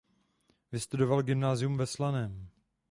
Vystudoval gymnázium ve Slaném.